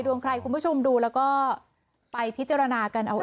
ดวงใครคุณผู้ชมดูแล้วก็ไปพิจารณากันเอา